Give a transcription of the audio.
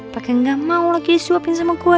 pake gak mau lagi disuapin sama gue